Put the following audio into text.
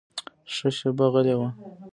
ښه شېبه غلی و.